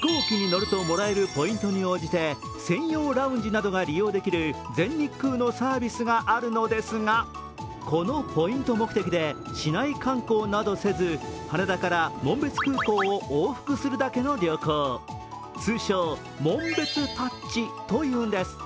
飛行機に乗るともらえるポイントに応じて専用ラウンジなどが利用できる全日空のサービスがあるのですがこのポイント目的で、市内観光などせず羽田から紋別空港を往復するだけの旅行、通称・紋別タッチというんです。